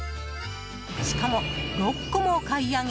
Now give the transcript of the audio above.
しかも６個もお買い上げ。